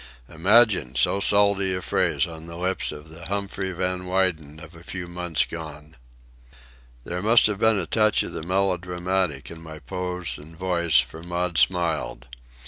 Imagine so salty a phrase on the lips of the Humphrey Van Weyden of a few months gone! There must have been a touch of the melodramatic in my pose and voice, for Maud smiled.